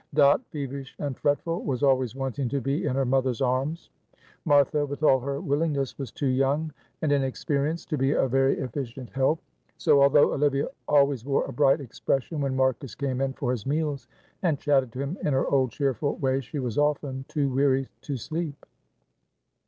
Dot, feverish and fretful, was always wanting to be in her mother's arms. Martha, with all her willingness, was too young and inexperienced to be a very efficient help; so, although Olivia always wore a bright expression when Marcus came in for his meals, and chatted to him in her old cheerful way, she was often too weary to sleep.